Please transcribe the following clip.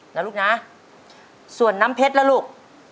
แล้วลูกน้าส่วนน้ำเพชรละลูก